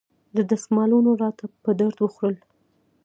دستمالونو راته په درد وخوړل.